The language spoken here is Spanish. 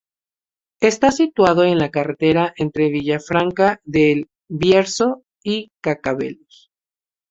Está situado en la carretera entre Villafranca del Bierzo y Cacabelos.